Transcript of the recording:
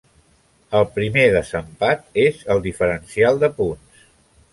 El primer desempat és el diferencial de punts.